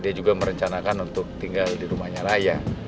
dia juga merencanakan untuk tinggal di rumahnya raya